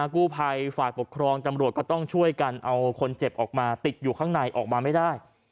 กู้ภัยฝ่ายปกครองตำรวจก็ต้องช่วยกันเอาคนเจ็บออกมาติดอยู่ข้างในออกมาไม่ได้